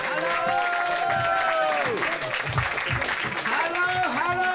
ハロー！ハロー！